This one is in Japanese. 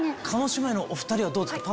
叶姉妹のお２人はどうですか？